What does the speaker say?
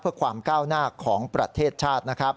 เพื่อความก้าวหน้าของประเทศชาตินะครับ